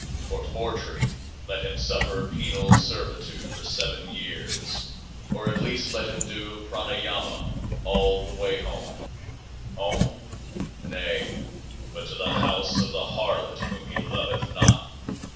For forgery let him suffer Penal Servitude for Seven Years ; or at least let him do Prana yama all the way home — home? nay ! but to the house of the harlot whom he loveth not.